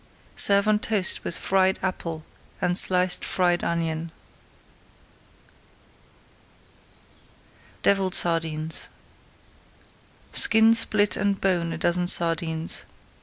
Serve on toast with fried apple and sliced fried onion. DEVILLED SARDINES Skin, split and bone a dozen sardines.